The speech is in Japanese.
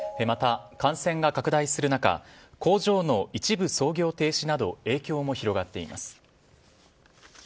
また、感染が拡大する中工場の一部操業停止など影響も広がっています。